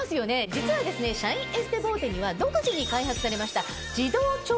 実はシャインエステボーテには独自に開発されました。